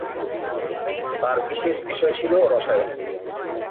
তার বিশেষ বিষয় ছিল রসায়ন।